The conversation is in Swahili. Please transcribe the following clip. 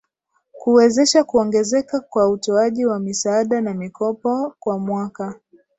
Kuwezesha kuongezeka kwa utoaji wa misaada na mikopo kwa mwaka